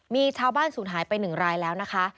มีชาวบ้านสูญหายไป๑รายแล้วนะคะ